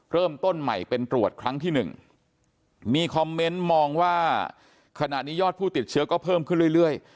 เริ่มต้นใหม่เป็นตรวจครั้งที่หนึ่งมีคอมเมนต์มองว่าขณะนี้ยอดผู้ติดเชื้อก็เพิ่มขึ้นเรื่อย